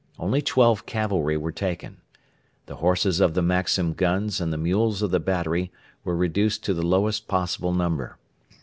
Only twelve cavalry were taken. The horses of the Maxim guns and the mules of the battery were reduced to the lowest possible number.